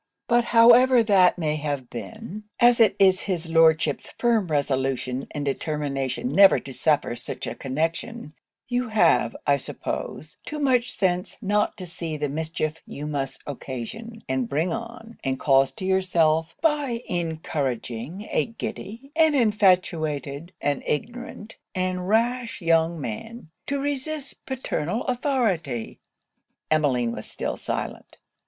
But however that may have been, as it is his Lordship's firm resolution and determination never to suffer such a connection, you have, I suppose, too much sense not to see the mischief you must occasion, and bring on, and cause to yourself, by encouraging a giddy, and infatuated, and ignorant, and rash young man, to resist paternal authority.' Emmeline was still silent.